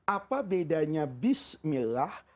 apa bedanya bismillah